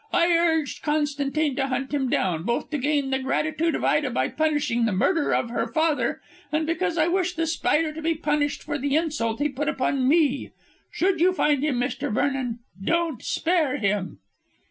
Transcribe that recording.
I urged Constantine to hunt him down, both to gain the gratitude of Ida by punishing the murderer of her father and because I wish The Spider to be punished for the insult he put upon me. Should you find him, Mr. Vernon, don't spare him."